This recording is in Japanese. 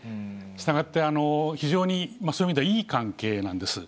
したがって、非常に、そういう意味ではいい関係なんです。